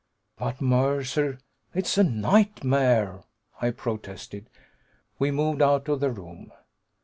"But, Mercer, it's a nightmare!" I protested. We moved out of the room.